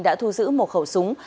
đã thu giữ một khẩu súng